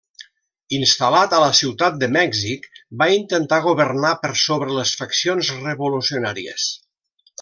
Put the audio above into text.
Instal·lat a la ciutat de Mèxic, va intentar governar per sobre les faccions revolucionàries.